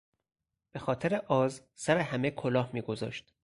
به خاطر آز سر همه کلاه میگذاشت.